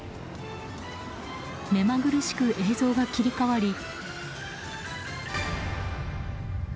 目まぐるしく映像が切り替わり。